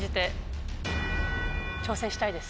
挑戦したいです。